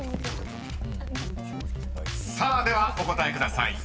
［さあではお答えください］